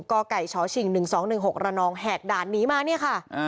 กไก่ชชิง๑๒๑๖ระนองแหกด่านหนีมาเนี่ยค่ะ